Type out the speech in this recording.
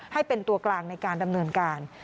ให้เป็นตัวกลางในการดำเนินการ